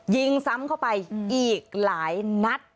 ยิงซ้ำเข้าไปอีกหลายนัด